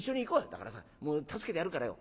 だからさ助けてやるからよ」。